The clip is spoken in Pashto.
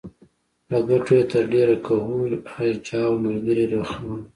له ګټو یې تر ډېره د کهول اجاو ملګري برخمن وو.